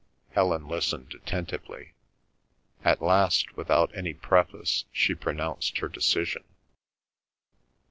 Helen listened attentively. At last, without any preface, she pronounced her decision.